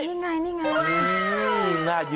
นี่ไง